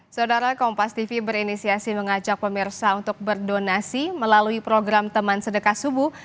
saudara kompas tv berinisiasi mengajak pemirsa untuk berdonasi melalui program teman sedekah subuh